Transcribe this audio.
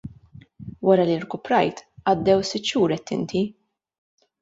Wara li rkuprajt, għaddew sitt xhur għedt inti.